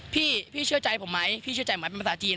พี่พี่เชื่อใจผมไหมพี่เชื่อใจเหมือนเป็นภาษาจีน